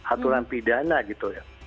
aturan pidana gitu ya